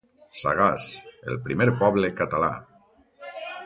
Sagàs, el primer poble català.